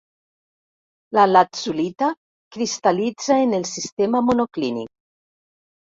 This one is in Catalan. La latzulita cristal·litza en el sistema monoclínic.